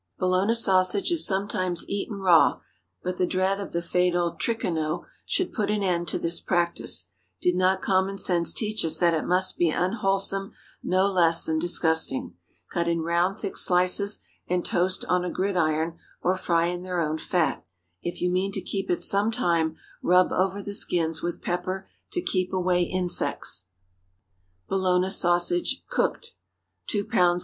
Bologna sausage is sometimes eaten raw, but the dread of the fatal trichinæ should put at end to this practice, did not common sense teach us that it must be unwholesome, no less than disgusting. Cut in round, thick slices, and toast on a gridiron, or fry in their own fat. If you mean to keep it some time, rub over the skins with pepper to keep away insects. BOLOGNA SAUSAGE (Cooked.) 2 lbs.